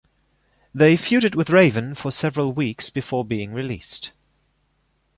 They feuded with Raven for several weeks before being released.